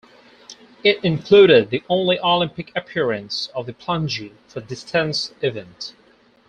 It included the only Olympic appearance of the plunge for distance event.